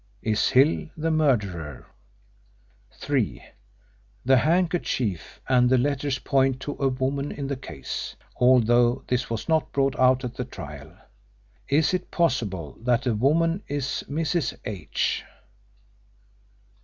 Is Hill the murderer? (3) The handkerchief and the letters point to a woman in the case, although this was not brought out at the trial. Is it possible that woman is Mrs. H.?